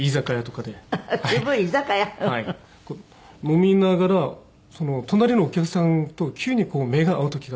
飲みながら隣のお客さんと急にこう目が合う時があるんですよ。